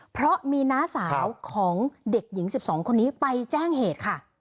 เพราะมีน้าสาวของเด็กหญิง๑๒คนนี้ไปแจ้งเหตุค่ะ